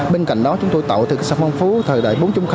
bên cạnh đó chúng tôi tạo thực sản phong phú thời đại bốn